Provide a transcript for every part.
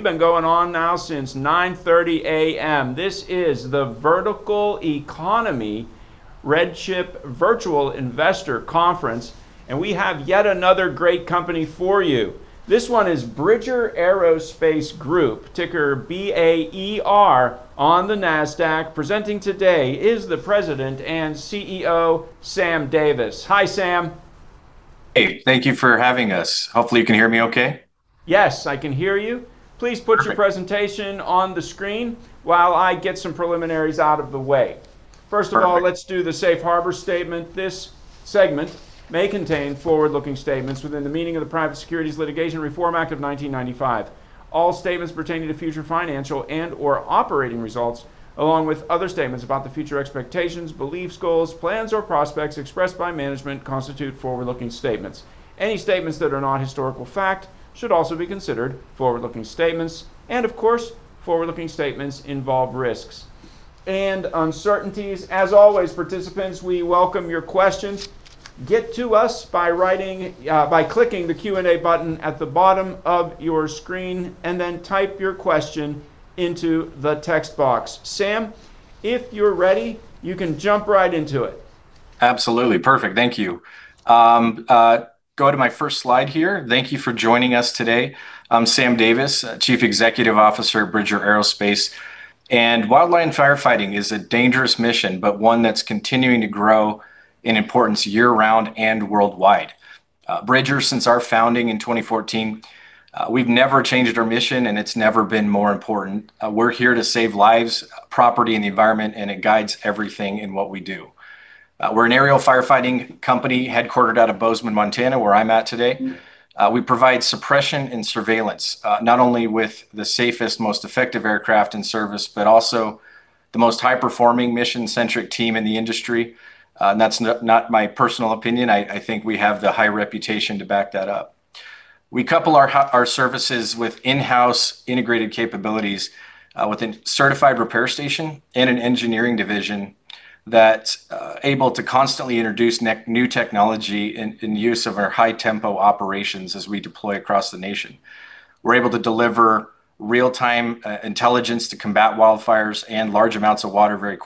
We've been going on now since 9:30 A.M. This is "The Vertical Economy" RedChip Virtual Investor Conference, we have yet another great company for you. This one is Bridger Aerospace Group, ticker BAER on the Nasdaq. Presenting today is the President and CEO, Sam Davis. Hi, Sam. Hey, thank you for having us. Hopefully, you can hear me okay. Yes, I can hear you. Perfect. Please put your presentation on the screen while I get some preliminaries out of the way. Perfect. First of all, let's do the safe harbor statement. This segment may contain forward-looking statements within the meaning of the Private Securities Litigation Reform Act of 1995. All statements pertaining to future financial and/or operating results, along with other statements about the future expectations, beliefs, goals, plans, or prospects expressed by management, constitute forward-looking statements. Any statements that are not historical fact should also be considered forward-looking statements. Of course, forward-looking statements involve risks and uncertainties. As always, participants, we welcome your questions. Get to us by clicking the Q&A button at the bottom of your screen, then type your question into the text box. Sam, if you're ready, you can jump right into it. Absolutely. Perfect. Thank you. Go to my first slide here. Thank you for joining us today. I'm Sam Davis, Chief Executive Officer at Bridger Aerospace. Wildland firefighting is a dangerous mission, but one that's continuing to grow in importance year-round and worldwide. Bridger, since our founding in 2014, we've never changed our mission, and it's never been more important. We're here to save lives, property, and the environment, and it guides everything in what we do. We're an aerial firefighting company headquartered out of Bozeman, Montana, where I'm at today. We provide suppression and surveillance, not only with the safest, most effective aircraft in service, but also the most high-performing, mission-centric team in the industry. That's not my personal opinion. I think we have the high reputation to back that up. We couple our services with in-house integrated capabilities, with a certified repair station and an engineering division that's able to constantly introduce new technology in use of our high-tempo operations as we deploy across the nation. We're able to deliver real-time intelligence to combat wildfires and large amounts of water.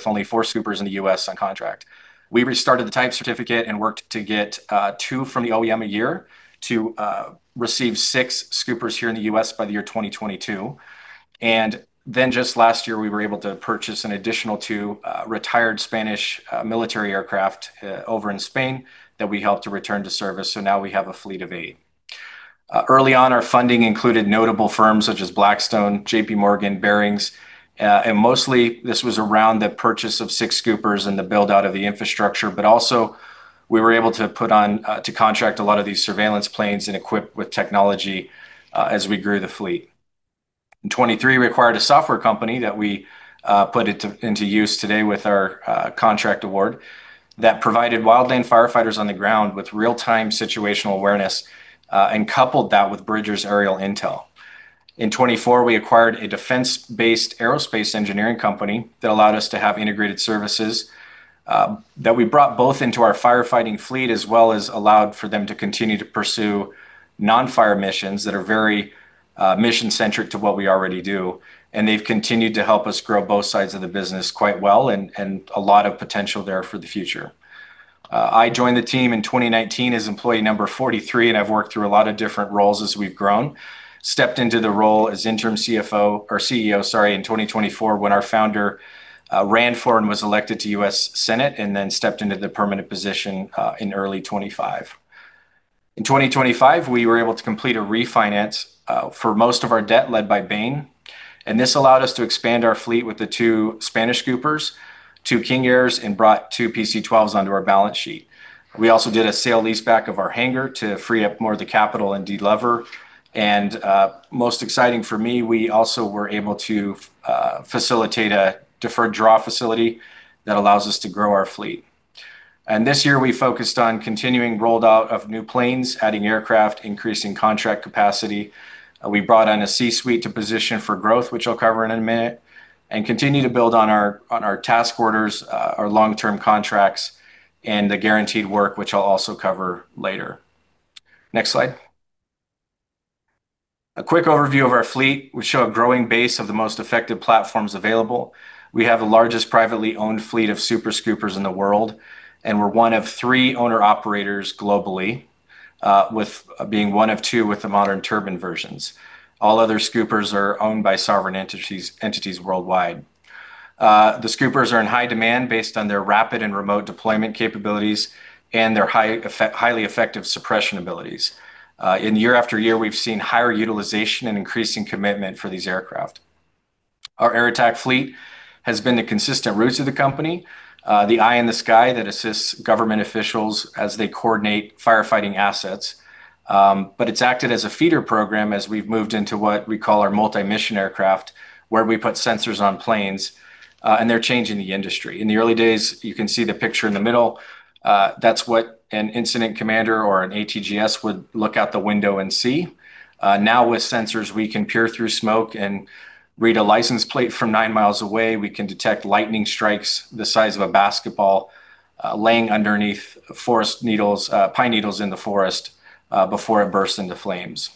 With only four scoopers in the U.S. on contract, we restarted the type certificate and worked to get two from the OEM a year to receive six scoopers here in the U.S. by the year 2022. Just last year, we were able to purchase an additional two retired Spanish military aircraft over in Spain that we helped to return to service, so now we have a fleet of eight. Early on, our funding included notable firms such as Blackstone, JP Morgan, Barings, and mostly this was around the purchase of six scoopers and the build-out of the infrastructure. Also, we were able to contract a lot of these surveillance planes and equip with technology as we grew the fleet. In 2023, we acquired a software company that we put into use today with our contract award that provided wildland firefighters on the ground with real-time situational awareness, and coupled that with Bridger's aerial intel. In 2024, we acquired a defense-based aerospace engineering company that allowed us to have integrated services that we brought both into our firefighting fleet, as well as allowed for them to continue to pursue non-fire missions that are very mission-centric to what we already do. They've continued to help us grow both sides of the business quite well and a lot of potential there for the future. I joined the team in 2019 as employee number 43. I've worked through a lot of different roles as we've grown. Stepped into the role as interim CFO or CEO, sorry, in 2024 when our founder ran for and was elected to U.S. Senate. Then stepped into the permanent position in early 2025. In 2025, we were able to complete a refinance for most of our debt led by Bain. This allowed us to expand our fleet with the two Spanish Scoopers, two King Airs, and brought two PC-12s onto our balance sheet. We also did a sale-leaseback of our hangar to free up more of the capital and delever. Most exciting for me, we also were able to facilitate a deferred draw facility that allows us to grow our fleet. This year, we focused on continuing rolled out of new planes, adding aircraft, increasing contract capacity. We brought on a C-suite to position for growth, which I'll cover in a minute, and continue to build on our task orders, our long-term contracts, and the guaranteed work, which I'll also cover later. Next slide. A quick overview of our fleet. We show a growing base of the most effective platforms available. We have the largest privately owned fleet of Super Scoopers in the world, and we're one of three owner-operators globally, with being one of two with the modern turbine versions. All other scoopers are owned by sovereign entities worldwide. The Super Scoopers are in high demand based on their rapid and remote deployment capabilities and their highly effective suppression abilities. Year after year, we've seen higher utilization and increasing commitment for these aircraft. Our Air Attack fleet has been the consistent roots of the company, the eye in the sky that assists government officials as they coordinate firefighting assets. It's acted as a feeder program as we've moved into what we call our multi-mission aircraft, where we put sensors on planes, and they're changing the industry. In the early days, you can see the picture in the middle. That's what an incident commander or an ATGS would look out the window and see. Now with sensors, we can peer through smoke and read a license plate from nine miles away. We can detect lightning strikes the size of a basketball laying underneath pine needles in the forest, before it bursts into flames.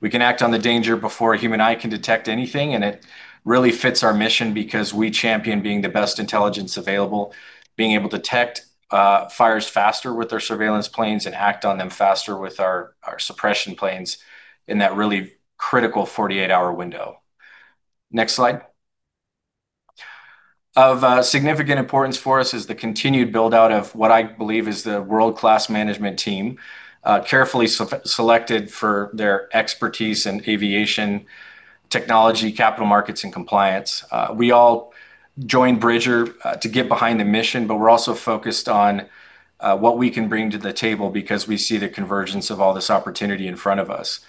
We can act on the danger before a human eye can detect anything, and it really fits our mission because we champion being the best intelligence available, being able to detect fires faster with our surveillance planes and act on them faster with our suppression planes in that really critical 48-hour window. Next slide. Of significant importance for us is the continued build-out of what I believe is the world-class management team, carefully selected for their expertise in aviation technology, capital markets, and compliance. We all joined Bridger to get behind the mission, but we're also focused on what we can bring to the table because we see the convergence of all this opportunity in front of us.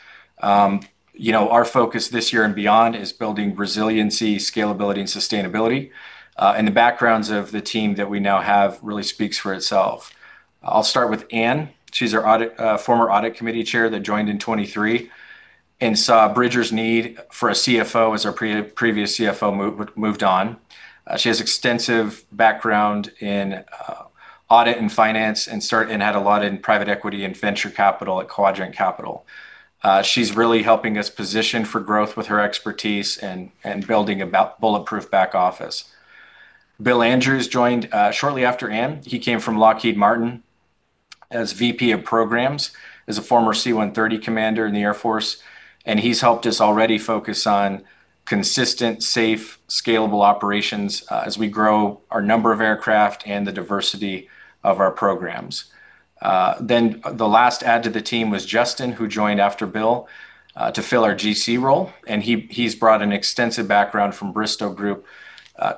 Our focus this year and beyond is building resiliency, scalability, and sustainability. The backgrounds of the team that we now have really speaks for itself. I will start with Anne. She is our former Audit Committee Chair that joined in 2023 and saw Bridger's need for a CFO as our previous CFO moved on. She has extensive background in audit and finance and had a lot in private equity and venture capital at Quadrant Capital. She is really helping us position for growth with her expertise and building a bulletproof back office. Bill Andrews joined shortly after Anne. He came from Lockheed Martin as VP of Programs, is a former C-130 commander in the Air Force, and he has helped us already focus on consistent, safe, scalable operations as we grow our number of aircraft and the diversity of our programs. The last add to the team was Justin, who joined after Bill, to fill our GC role, and he has brought an extensive background from Bristow Group,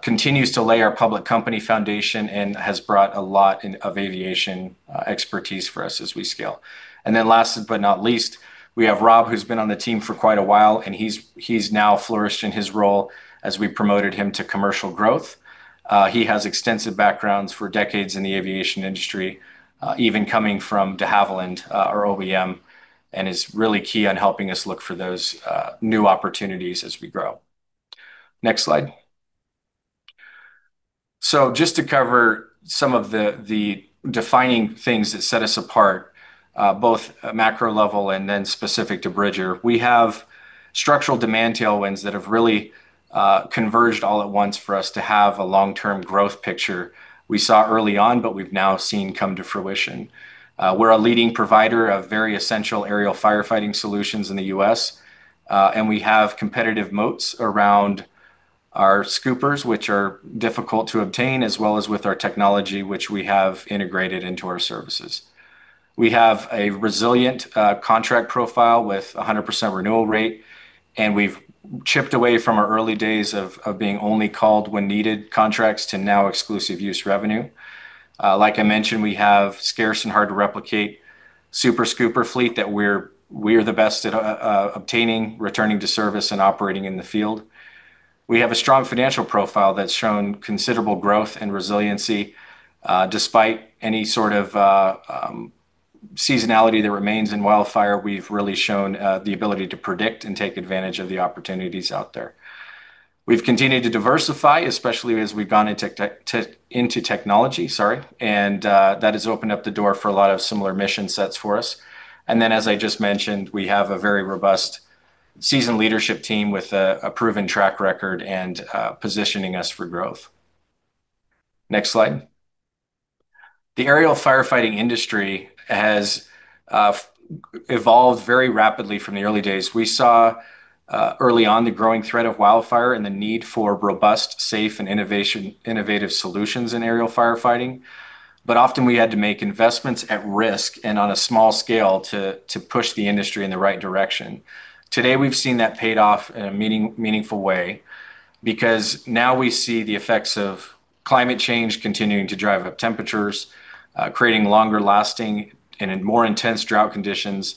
continues to lay our public company foundation, and has brought a lot of aviation expertise for us as we scale. Last but not least, we have Rob, who has been on the team for quite a while, and he has now flourished in his role as we promoted him to commercial growth. He has extensive backgrounds for decades in the aviation industry, even coming from De Havilland, our OEM, and is really key on helping us look for those new opportunities as we grow. Next slide. Just to cover some of the defining things that set us apart, both macro level and then specific to Bridger, we have structural demand tailwinds that have really converged all at once for us to have a long-term growth picture we saw early on, but we have now seen come to fruition. We are a leading provider of very essential aerial firefighting solutions in the U.S., and we have competitive moats around our scoopers, which are difficult to obtain, as well as with our technology, which we have integrated into our services. We have a resilient contract profile with 100% renewal rate, and we have chipped away from our early days of being only call-when-needed contracts to now exclusive use revenue. Like I mentioned, we have scarce and hard-to-replicate Super Scooper fleet that we are the best at obtaining, returning to service, and operating in the field. We have a strong financial profile that has shown considerable growth and resiliency. Despite any sort of seasonality that remains in wildfire, we have really shown the ability to predict and take advantage of the opportunities out there. We have continued to diversify, especially as we have gone into technology, sorry, and that has opened up the door for a lot of similar mission sets for us. As I just mentioned, we have a very robust, seasoned leadership team with a proven track record and positioning us for growth. Next slide. The aerial firefighting industry has evolved very rapidly from the early days. We saw early on the growing threat of wildfire and the need for robust, safe, and innovative solutions in aerial firefighting. Often we had to make investments at risk and on a small scale to push the industry in the right direction. Today, we've seen that paid off in a meaningful way because now we see the effects of climate change continuing to drive up temperatures, creating longer lasting and more intense drought conditions,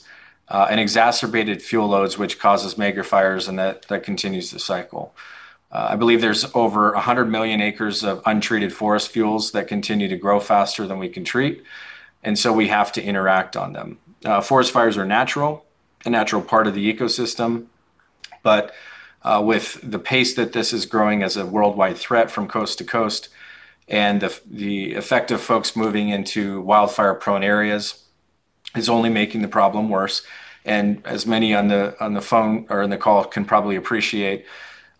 and exacerbated fuel loads, which causes megafires, and that continues the cycle. I believe there's over 100 million acres of untreated forest fuels that continue to grow faster than we can treat, and so we have to interact on them. Forest fires are natural, a natural part of the ecosystem. With the pace that this is growing as a worldwide threat from coast to coast, and the effect of folks moving into wildfire-prone areas is only making the problem worse. As many on the phone or on the call can probably appreciate,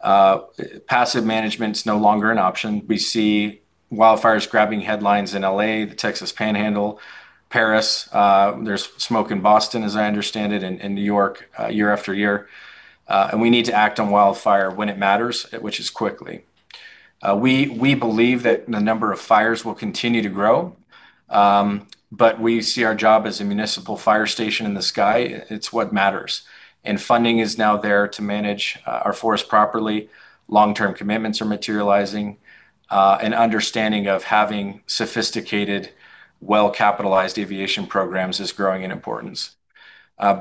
passive management's no longer an option. We see wildfires grabbing headlines in L.A., the Texas Panhandle, Paris. There's smoke in Boston, as I understand it, and New York, year after year. We need to act on wildfire when it matters, which is quickly. We believe that the number of fires will continue to grow, but we see our job as a municipal fire station in the sky. It's what matters. Funding is now there to manage our forest properly. Long-term commitments are materializing. An understanding of having sophisticated, well-capitalized aviation programs is growing in importance.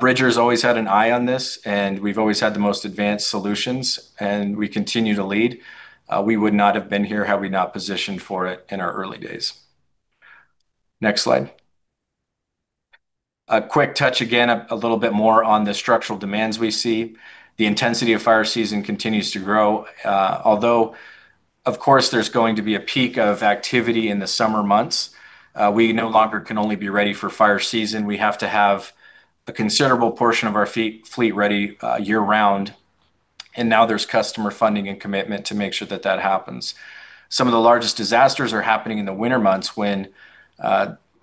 Bridger has always had an eye on this, and we've always had the most advanced solutions, and we continue to lead. We would not have been here had we not positioned for it in our early days. Next slide. A quick touch again, a little bit more on the structural demands we see. The intensity of fire season continues to grow. Although, of course, there's going to be a peak of activity in the summer months. We no longer can only be ready for fire season. We have to have a considerable portion of our fleet ready year-round, and now there's customer funding and commitment to make sure that that happens. Some of the largest disasters are happening in the winter months when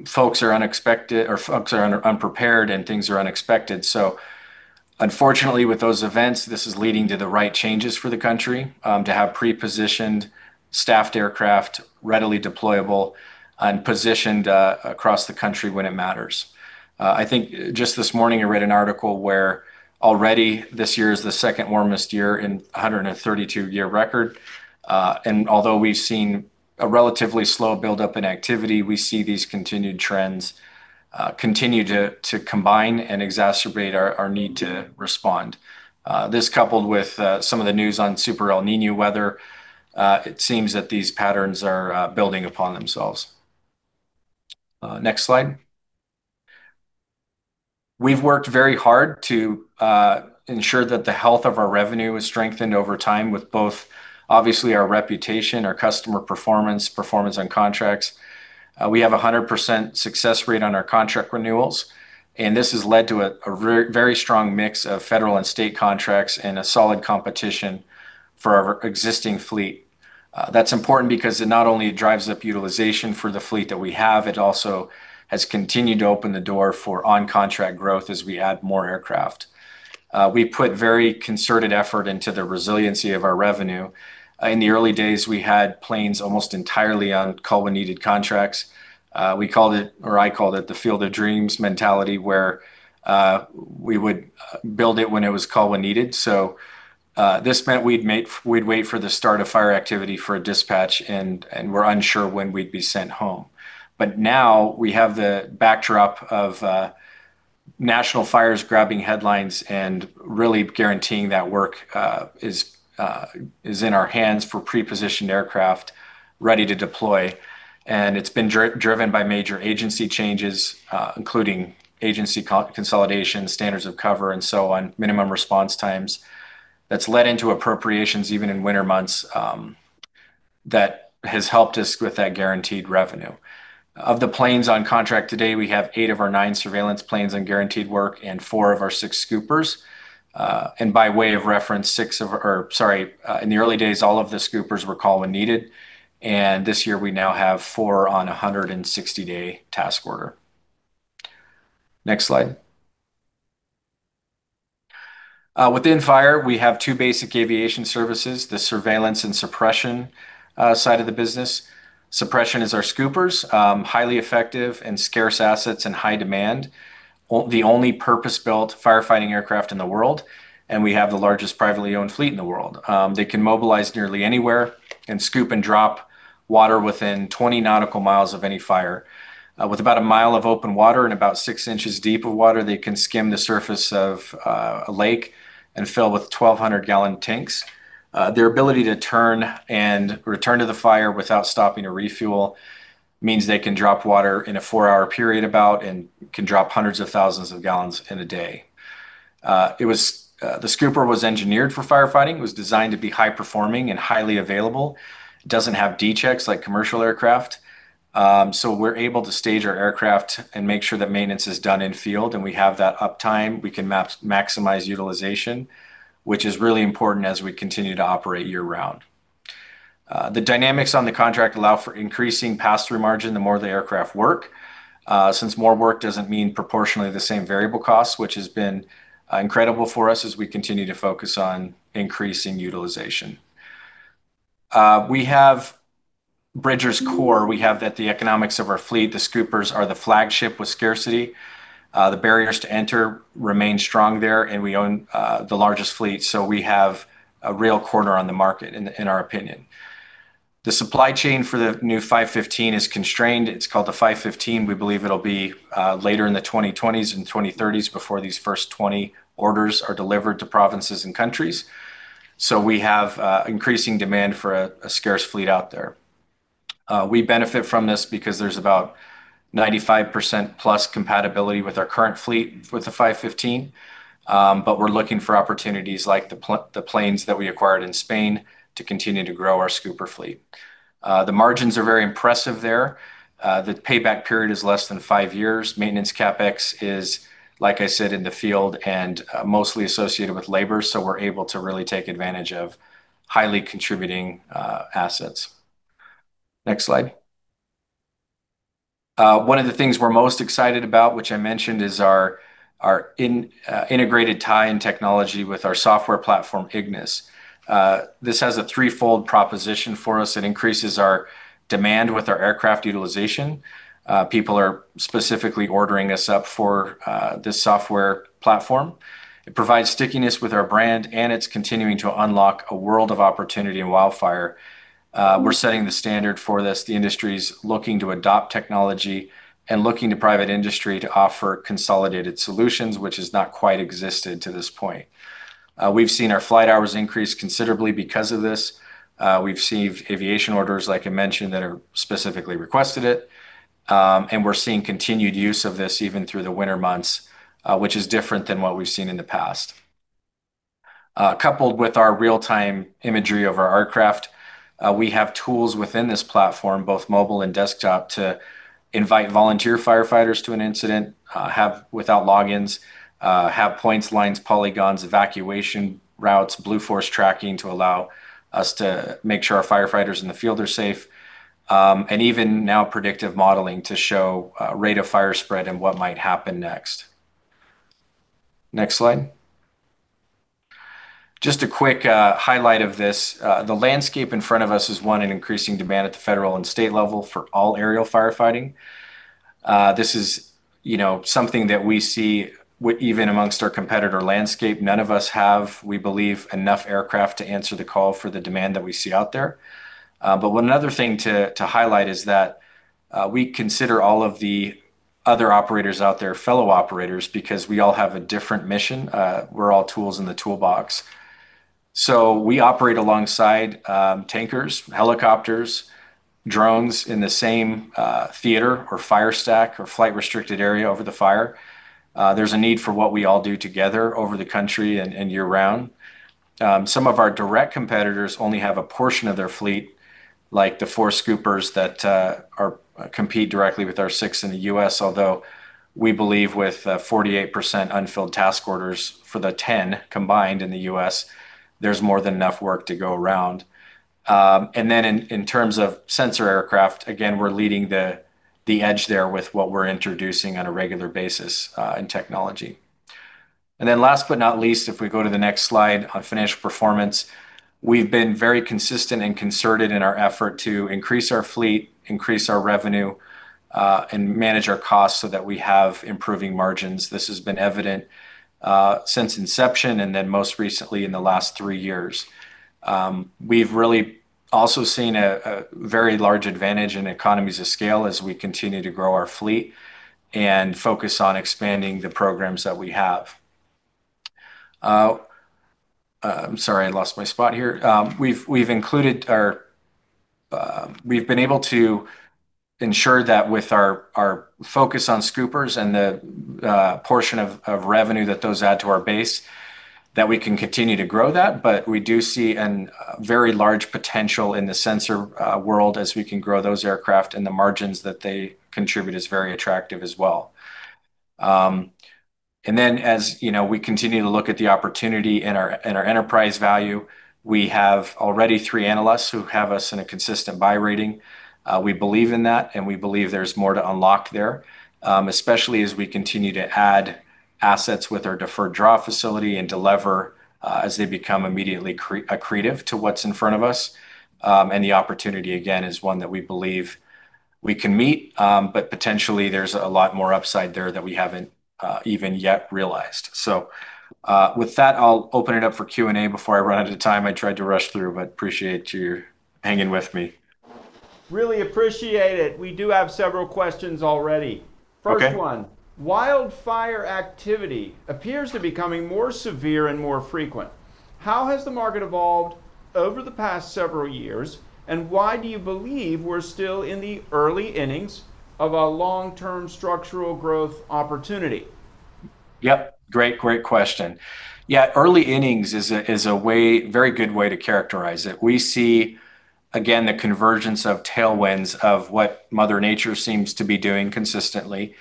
folks are unprepared, and things are unexpected. Unfortunately, with those events, this is leading to the right changes for the country, to have pre-positioned, staffed aircraft, readily deployable and positioned across the country when it matters. I think just this morning I read an article where already this year is the second warmest year in 132-year record. Although we've seen a relatively slow buildup in activity, we see these continued trends continue to combine and exacerbate our need to respond. This coupled with some of the news on super El Niño weather, it seems that these patterns are building upon themselves. Next slide. We've worked very hard to ensure that the health of our revenue is strengthened over time with both obviously our reputation, our customer performance on contracts. We have 100% success rate on our contract renewals, and this has led to a very strong mix of federal and state contracts and a solid competition for our existing fleet. That's important because it not only drives up utilization for the fleet that we have, it also has continued to open the door for on-contract growth as we add more aircraft. We put very concerted effort into the resiliency of our revenue. In the early days, we had planes almost entirely on call-when-needed contracts. We called it, or I called it the field of dreams mentality, where we would build it when it was call-when-needed. This meant we'd wait for the start of fire activity for a dispatch, and we're unsure when we'd be sent home. Now we have the backdrop of national fires grabbing headlines and really guaranteeing that work is in our hands for pre-positioned aircraft ready to deploy. It's been driven by major agency changes, including agency consolidation, standards of cover, and so on, minimum response times. That's led into appropriations, even in winter months, that has helped us with that guaranteed revenue. Of the planes on contract today, we have eight of our nine surveillance planes on guaranteed work and four of our six Scoopers. In the early days, all of the Scoopers were call-when-needed, and this year we now have four on 160-day task order. Next slide. Within fire, we have two basic aviation services, the surveillance and suppression side of the business. Suppression is our Scoopers, highly effective and scarce assets in high demand, the only purpose-built firefighting aircraft in the world, and we have the largest privately owned fleet in the world. They can mobilize nearly anywhere and scoop and drop water within 20 nautical miles of any fire. With about a mile of open water and about six inches deep of water, they can skim the surface of a lake and fill with 1,200-gallon tanks. Their ability to turn and return to the fire without stopping to refuel means they can drop water in a four-hour period and can drop hundreds of thousands of gallons in a day. The Scooper was engineered for firefighting. It was designed to be high-performing and highly available. It doesn't have D checks like commercial aircraft. We're able to stage our aircraft and make sure that maintenance is done in field, and we have that uptime. We can maximize utilization, which is really important as we continue to operate year-round. The dynamics on the contract allow for increasing pass-through margin the more the aircraft work. More work doesn't mean proportionally the same variable cost, which has been incredible for us as we continue to focus on increasing utilization. We have Bridger's core. The economics of our fleet, the Scoopers are the flagship with scarcity. The barriers to enter remain strong there, and we own the largest fleet, so we have a real corner on the market, in our opinion. The supply chain for the new 515 is constrained. It's called the 515. We believe it'll be later in the 2020s and 2030s before these first 20 orders are delivered to provinces and countries. We have increasing demand for a scarce fleet out there. We benefit from this because there's about 95% plus compatibility with our current fleet with the 515. We're looking for opportunities like the planes that we acquired in Spain to continue to grow our Scooper fleet. The margins are very impressive there. The payback period is less than five years. Maintenance CapEx is, like I said, in the field and mostly associated with labor, so we're able to really take advantage of highly contributing assets. Next slide. One of the things we're most excited about, which I mentioned, is our integrated tie in technology with our software platform, IGNIS. This has a threefold proposition for us. It increases our demand with our aircraft utilization. People are specifically ordering us up for this software platform. It provides stickiness with our brand, it's continuing to unlock a world of opportunity in wildfire. We're setting the standard for this. The industry's looking to adopt technology and looking to private industry to offer consolidated solutions, which has not quite existed to this point. We've seen our flight hours increase considerably because of this. We've received aviation orders, like I mentioned, that have specifically requested it. We're seeing continued use of this even through the winter months, which is different than what we've seen in the past. Coupled with our real-time imagery of our aircraft, we have tools within this platform, both mobile and desktop, to invite volunteer firefighters to an incident, without logins, have points, lines, polygons, evacuation routes, blue force tracking to allow us to make sure our firefighters in the field are safe. Even now, predictive modeling to show rate of fire spread and what might happen next. Next slide. Just a quick highlight of this. The landscape in front of us is one in increasing demand at the federal and state level for all aerial firefighting. This is something that we see even amongst our competitor landscape. None of us have, we believe, enough aircraft to answer the call for the demand that we see out there. One other thing to highlight is that we consider all of the other operators out there fellow operators because we all have a different mission. We're all tools in the toolbox. We operate alongside tankers, helicopters, drones in the same theater or fire stack or flight restricted area over the fire. There's a need for what we all do together over the country and year-round. Some of our direct competitors only have a portion of their fleet, like the four scoopers that compete directly with our six in the U.S., although we believe with 48% unfilled task orders for the 10 combined in the U.S., there's more than enough work to go around. In terms of sensor aircraft, again, we're leading the edge there with what we're introducing on a regular basis in technology. Last but not least, if we go to the next slide on financial performance, we've been very consistent and concerted in our effort to increase our fleet, increase our revenue, and manage our costs so that we have improving margins. This has been evident since inception, most recently in the last three years. We've really also seen a very large advantage in economies of scale as we continue to grow our fleet and focus on expanding the programs that we have. I'm sorry, I lost my spot here. We've been able to ensure that with our focus on scoopers and the portion of revenue that those add to our base, that we can continue to grow that, we do see a very large potential in the sensor world as we can grow those aircraft, and the margins that they contribute is very attractive as well. As we continue to look at the opportunity in our enterprise value, we have already three analysts who have us in a consistent buy rating. We believe in that, and we believe there's more to unlock there, especially as we continue to add assets with our deferred draw facility and deliver as they become immediately accretive to what's in front of us. The opportunity, again, is one that we believe we can meet. Potentially there's a lot more upside there that we haven't even yet realized. With that, I'll open it up for Q&A before I run out of time. I tried to rush through, but appreciate you hanging with me. Really appreciate it. We do have several questions already. Okay. First one, wildfire activity appears to be becoming more severe and more frequent. How has the market evolved over the past several years, and why do you believe we're still in the early innings of a long-term structural growth opportunity? Great question. Early innings is a very good way to characterize it. We see, again, the convergence of tailwinds of what Mother Nature seems to be doing consistently,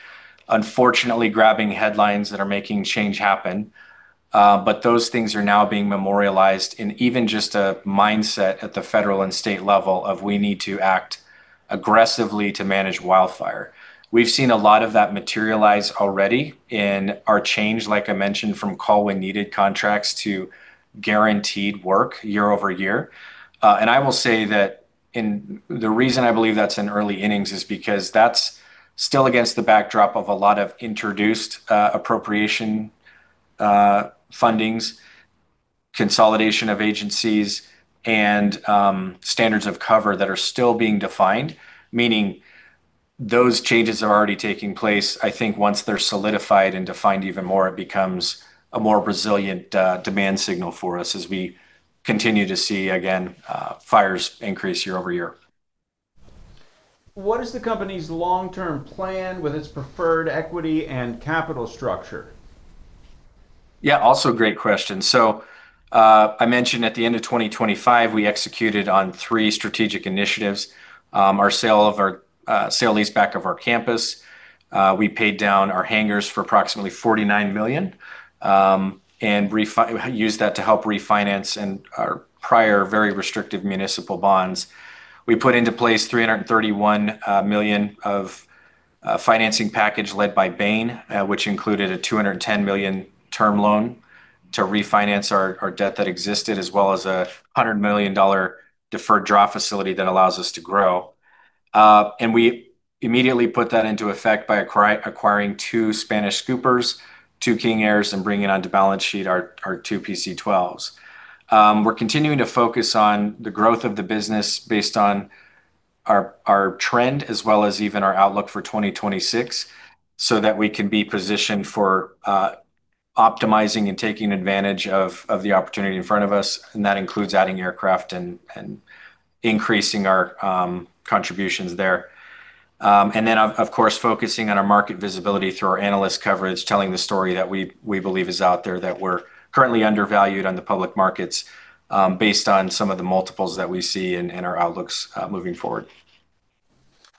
unfortunately grabbing headlines that are making change happen. Those things are now being memorialized in even just a mindset at the federal and state level of we need to act aggressively to manage wildfire. We've seen a lot of that materialize already in our change, like I mentioned, from call-when-needed contracts to guaranteed work year-over-year. I will say that the reason I believe that's in early innings is because that's still against the backdrop of a lot of introduced appropriation fundings, consolidation of agencies, and standards of cover that are still being defined, meaning those changes are already taking place. I think once they're solidified and defined even more, it becomes a more resilient demand signal for us as we continue to see, again, fires increase year-over-year. What is the company's long-term plan with its preferred equity and capital structure? Yeah. Also a great question. I mentioned at the end of 2025, we executed on three strategic initiatives, our sale-leaseback of our campus. We paid down our hangars for approximately $49 million and used that to help refinance our prior very restrictive municipal bonds. We put into place $331 million of a financing package led by Bain, which included a $210 million term loan to refinance our debt that existed, as well as a $100 million deferred draw facility that allows us to grow. We immediately put that into effect by acquiring two Super Scoopers, two King Airs, and bringing onto balance sheet our two PC-12s. We're continuing to focus on the growth of the business based on our trend as well as even our outlook for 2026, so that we can be positioned for optimizing and taking advantage of the opportunity in front of us, and that includes adding aircraft and increasing our contributions there. Then, of course, focusing on our market visibility through our analyst coverage, telling the story that we believe is out there, that we're currently undervalued on the public markets based on some of the multiples that we see in our outlooks moving forward.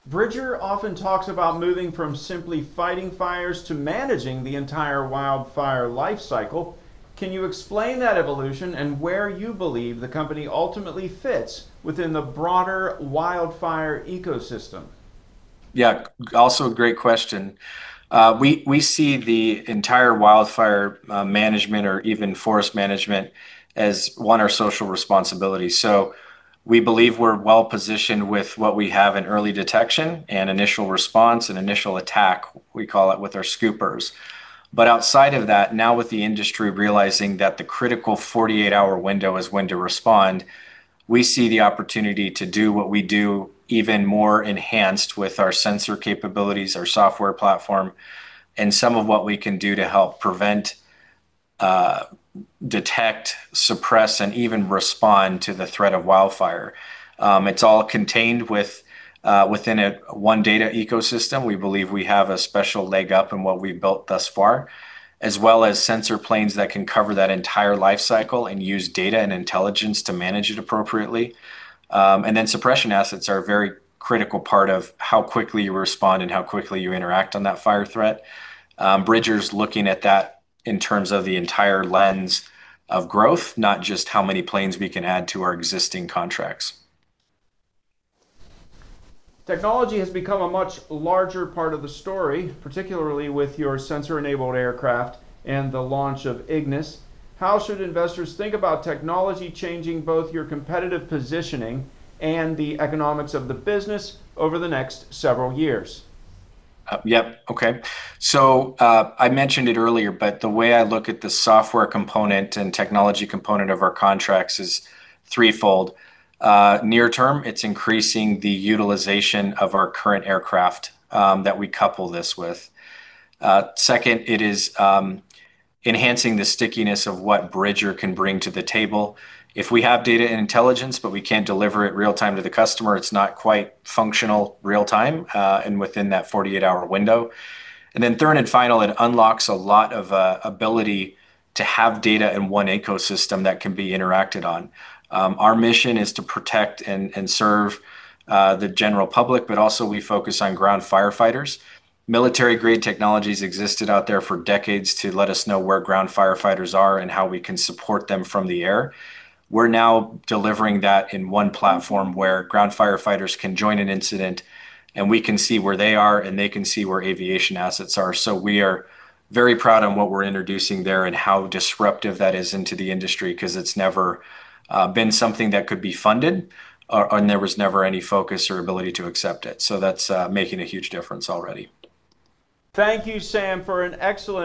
Bridger often talks about moving from simply fighting fires to managing the entire wildfire life cycle. Can you explain that evolution and where you believe the company ultimately fits within the broader wildfire ecosystem? Yeah. Also a great question. We see the entire wildfire management or even forest management as, one, our social responsibility. We believe we're well-positioned with what we have in early detection and initial response and initial attack, we call it, with our scoopers. Outside of that, now with the industry realizing that the critical 48-hour window is when to respond, we see the opportunity to do what we do even more enhanced with our sensor capabilities, our software platform, and some of what we can do to help prevent, detect, suppress, and even respond to the threat of wildfire. It's all contained within a one-data ecosystem. We believe we have a special leg up in what we've built thus far, as well as sensor planes that can cover that entire life cycle and use data and intelligence to manage it appropriately. Suppression assets are a very critical part of how quickly you respond and how quickly you interact on that fire threat. Bridger's looking at that in terms of the entire lens of growth, not just how many planes we can add to our existing contracts. Technology has become a much larger part of the story, particularly with your sensor-enabled aircraft and the launch of IGNIS. How should investors think about technology changing both your competitive positioning and the economics of the business over the next several years? Yep. Okay. I mentioned it earlier, the way I look at the software component and technology component of our contracts is threefold. Near term, it's increasing the utilization of our current aircraft that we couple this with. Second, it is enhancing the stickiness of what Bridger can bring to the table. If we have data and intelligence, but we can't deliver it real-time to the customer, it's not quite functional real-time and within that 48-hour window. Third and final, it unlocks a lot of ability to have data in one ecosystem that can be interacted on. Our mission is to protect and serve the general public, but also we focus on ground firefighters. Military-grade technologies existed out there for decades to let us know where ground firefighters are and how we can support them from the air. We're now delivering that in one platform where ground firefighters can join an incident, and we can see where they are, and they can see where aviation assets are. We are very proud on what we're introducing there and how disruptive that is into the industry because it's never been something that could be funded, and there was never any focus or ability to accept it. That's making a huge difference already. Thank you, Sam, for an excellent-